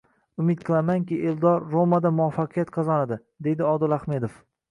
“Umid qilamanki, Eldor “Roma”da muvaffaqiyat qozonadi” — deydi Odil Ahmedov